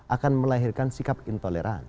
akan melahirkan sikap intoleran